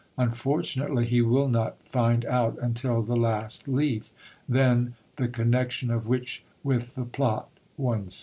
Unfortunately he will not find out until the last leaf. Then "the connexion of which with the plot one sees."